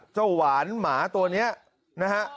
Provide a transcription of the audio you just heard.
เจ้าหวานหมาตัวนี้นะฮะ